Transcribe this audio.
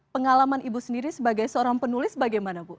pengalaman ibu sendiri sebagai seorang penulis bagaimana bu